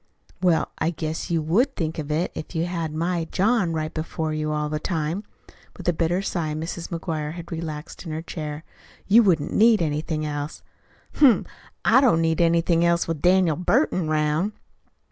"Well, I guess you would think of it if you had my John right before you all the time." With a bitter sigh Mrs. McGuire had relaxed in her chair. "You wouldn't need anything else." "Humph! I don't need anything else with Daniel Burton 'round."